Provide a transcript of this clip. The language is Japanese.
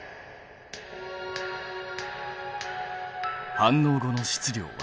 反応後の質量は？